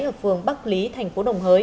ở phường bắc lý tp đồng hới